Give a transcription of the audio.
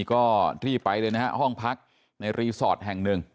ก็รีบไปเลยนะฮะห้องพักในรีสอร์ทแห่งหนึ่ง